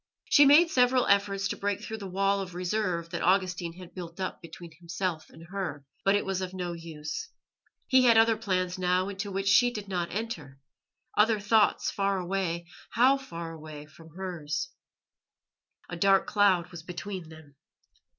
She made several efforts to break through the wall of reserve that Augustine had built up between himself and her, but it was of no use. He had other plans now into which she did not enter, other thoughts far away how far away! from hers. A dark cloud was between them.